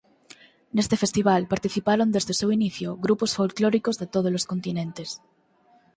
Neste festival participaron desde o seu inicio grupos folclóricos de tódolos continentes.